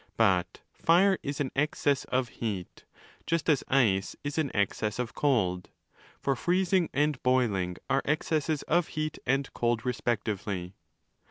But 25 fire is an excess of heat, just as ice is an excess of cold. For freezing and boiling are excesses of heat and cold respectively.